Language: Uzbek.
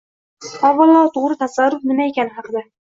Avvalo «to‘g‘ri tasarruf» nima ekani haqida.